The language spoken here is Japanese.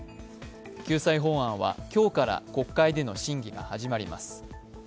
救済法案は今日から国会での審議が始まります。